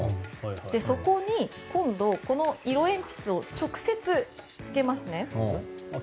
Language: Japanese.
そこに今度、この色鉛筆を直接つけますね。